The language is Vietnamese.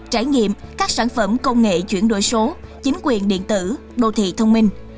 trải nghiệm các sản phẩm công nghệ chuyển đổi số chính quyền điện tử đô thị thông minh